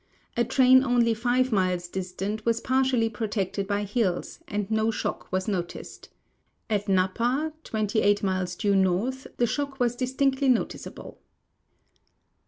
A train only five miles distant was l)artially protected by hills, and no shock was noticed. At Napa, 28 miles due north, the shock was distinctly noticeable.